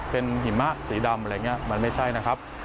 เป็นหิมะสีดำอะไรอย่างนี้มันไม่ใช่นะครับ